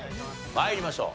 参りましょう。